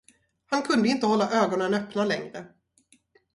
Han kunde inte hålla ögonen öppna längre.